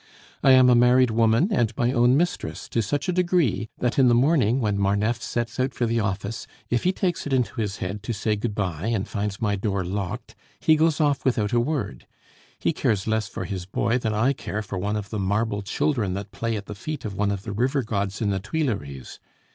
"I am a married woman, and my own mistress, to such a degree, that in the morning, when Marneffe sets out for the office, if he takes it into his head to say good bye and finds my door locked, he goes off without a word. He cares less for his boy than I care for one of the marble children that play at the feet of one of the river gods in the Tuileries.